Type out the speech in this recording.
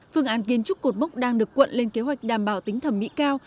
phương án kiến trúc cột mốc đang được quận lên kế hoạch đảm bảo tính thẩm mỹ cao